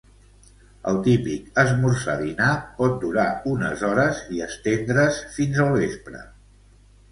El típic esmorzar-dinar pot durar unes hores i estendre's fins al vespre.